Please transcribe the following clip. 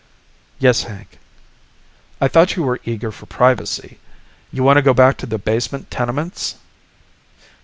"Yes, Hank." "I thought you were eager for privacy. You want to go back to the basement tenements?"